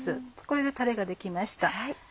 これでタレができました。